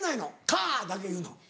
「カー」だけ言うの？